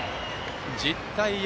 １０対４